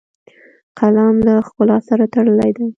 قلم له ښکلا سره تړلی دی